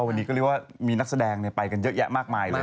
วันนี้ก็เรียกว่ามีนักแสดงไปกันเยอะแยะมากมายเลย